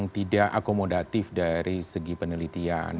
tidak akomodatif dari segi penelitian